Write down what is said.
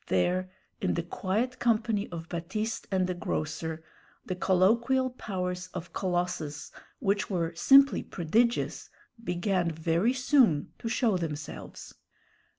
There, in the quiet company of Baptiste and the grocer, the colloquial powers of Colossus, which were simply prodigious, began very soon to show themselves.